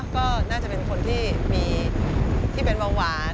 ก็น่าจะเป็นคนที่มีที่เป็นเบาหวาน